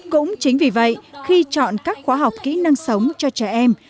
cũng chính vì vậy khi chọn các khóa học kỹ năng sống cho trẻ em